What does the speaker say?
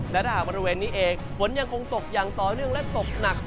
และถ้าหากบริเวณนี้เองฝนยังคงตกอย่างต่อเนื่องและตกหนัก